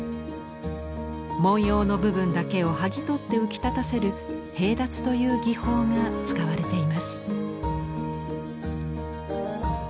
文様の部分だけを剥ぎ取って浮き立たせる「平脱」という技法が使われています。